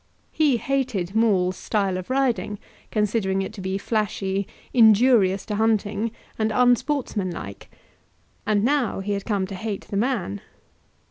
He hated Maule's style of riding, considering it to be flashy, injurious to hunting, and unsportsmanlike; and now he had come to hate the man.